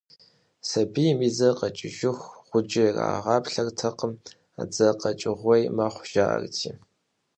Сабийм и дзэр къэкӏыху гъуджэ ирагъаплъэртэкъым, дзэ къэкӏыгъуей мэхъу, жаӏэрти.